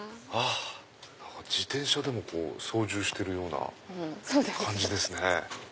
自転車でも操縦してるような感じですね。